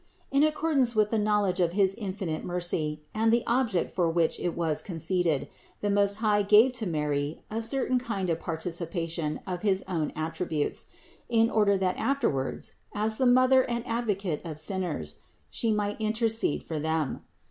In accordance with the knowledge of his infinite mercy and the object for which it was conceded, the Most High gave to Mary a certain kind of participation of his own attributes, in order that afterwards, as the Mother and Advocate of sinners, She might intercede for them.